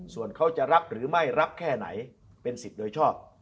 ส่วนเขาจะรับหรือไม่รับแค่ไหนเป็นสิทธิ์โดยชอบ